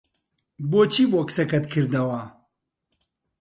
بۆچی بۆکسەکەت کردەوە؟